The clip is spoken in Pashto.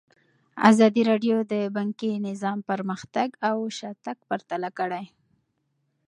ازادي راډیو د بانکي نظام پرمختګ او شاتګ پرتله کړی.